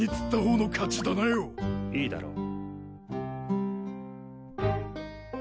いいだろう。